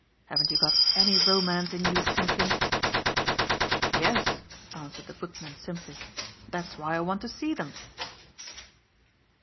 "Haven't you got any romance in you, Simpkins?" "Yes," answered the footman simply, "that's why I want to see them."